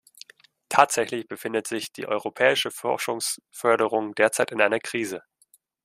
Tatsächlich befindet sich die europäische Forschungsförderung derzeit in einer Krise.